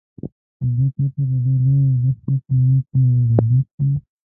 له دې پرته په دې لویه دښته کې نه کومه ابادي شته.